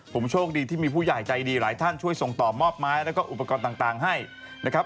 ผมโชคดีที่มีผู้ใหญ่ใจดีหลายท่านช่วยส่งต่อมอบไม้แล้วก็อุปกรณ์ต่างให้นะครับ